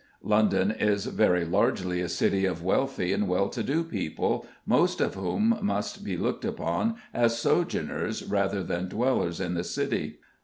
London is very largely a city of wealthy and well to do people, most of whom must be looked upon as sojourners rather than dwellers in the city.